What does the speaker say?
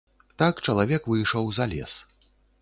Так чалавек выйшаў за лес.